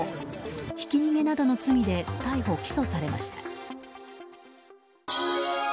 ひき逃げなどの罪で逮捕・起訴されました。